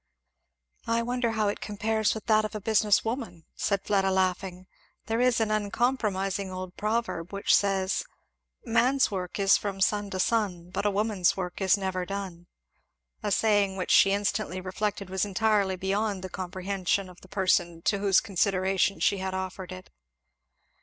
"I wonder how it compares with that of a business woman," said Fleda laughing. "There is an uncompromising old proverb which says 'Man's work is from sun to sun But a woman's work is never done.'" A saying which she instantly reflected was entirely beyond the comprehension of the person to whose consideration she had offered it.